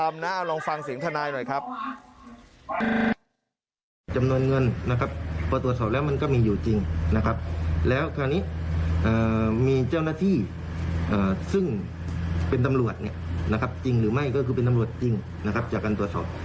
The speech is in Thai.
เป็นทามหน้าลองฟังเสียงทนายหน่อยครับ